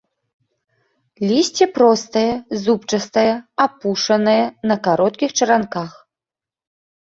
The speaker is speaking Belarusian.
Лісце простае, зубчастае, апушанае, на кароткіх чаранках.